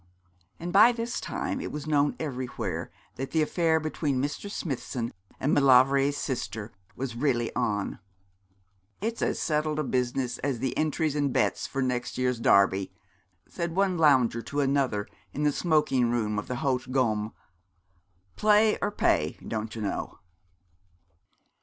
And by this time it was known everywhere that the affair between Mr. Smithson and Maulevrier's sister was really on. 'It's as settled a business as the entries and bets for next year's Derby,' said one lounger to another in the smoking room of the Haute Gomme. 'Play or pay, don't you know.'